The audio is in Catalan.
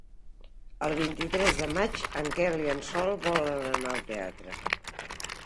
El vint-i-tres de maig en Quel i en Sol volen anar al teatre.